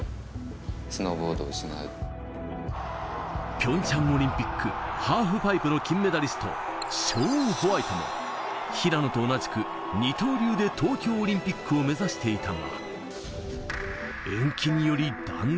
ピョンチャンオリンピック、ハーフパイプの金メダリスト、ショーン・ホワイトも、平野と同じく二刀流で東京オリンピックを目指していたが、延期により断念。